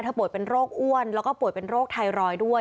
ป่วยเป็นโรคอ้วนแล้วก็ป่วยเป็นโรคไทรอยด์ด้วย